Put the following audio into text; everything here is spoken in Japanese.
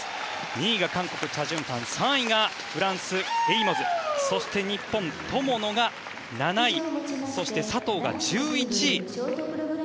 ２位が韓国、チャ・ジュンファン３位がフランス、エイモズそして日本、友野が７位佐藤が１１位。